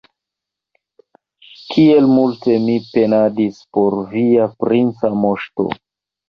Kiel multe mi penadis por via princa moŝto!